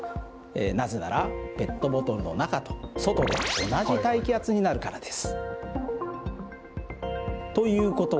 なぜならペットボトルの中と外で同じ大気圧になるからです。